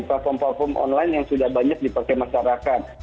platform platform online yang sudah banyak dipakai masyarakat